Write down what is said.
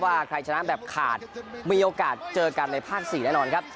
ใครชนะแบบขาดมีโอกาสเจอกันในภาค๔แน่นอนครับ